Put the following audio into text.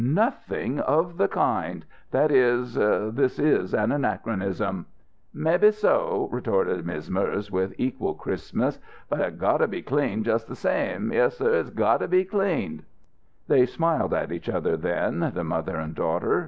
"Nothing of the kind. This is this is an anachronism." "Mebbe so," retorted Miz' Merz with equal crispness. "But it's got to be cleaned just the same. Yessir; it's got to be cleaned." They smiled at each other then, the mother and daughter.